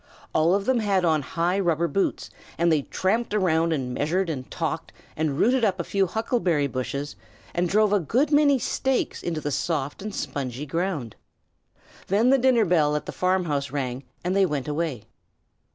All of them had on high rubber boots, and they tramped around and measured and talked, and rooted up a few huckleberry bushes, and drove a good many stakes into the soft and spongy ground. Then the dinner bell at the farmhouse rang and, they went away.